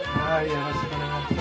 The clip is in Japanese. よろしくお願いします。